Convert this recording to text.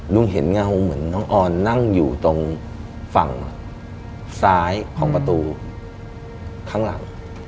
เห็นเงาเหมือนน้องออนนั่งอยู่ตรงฝั่งซ้ายของประตูข้างหลัง